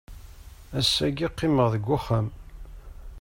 Ass-agi qqimeɣ deg uxxam.